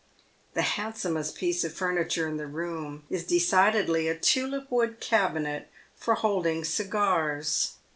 The handsomest piece of furniture in the room is decidedly a tulip wood cabinet for holding cigars.